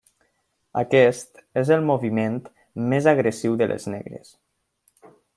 Aquest és el moviment més agressiu de les negres.